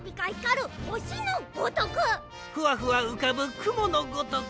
ふわふわうかぶくものごとく。